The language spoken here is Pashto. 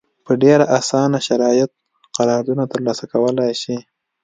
په ډېر اسانه شرایطو قراردادونه ترلاسه کولای شي.